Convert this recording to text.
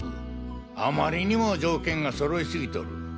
あまりにも条件が揃い過ぎとる。